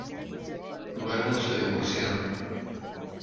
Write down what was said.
Luego se divorciaron.